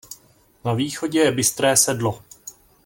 Na východě je Bystré sedlo.